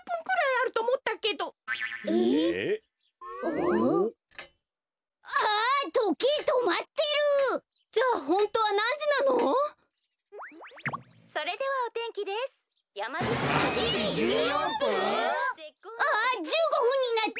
あ１５ふんになった！